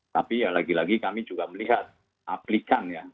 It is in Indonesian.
tapi ya lagi lagi kami juga melihat aplikannya